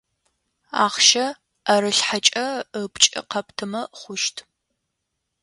Ахъщэ ӏэрылъхьэкӏэ ыпкӏэ къэптымэ хъущт.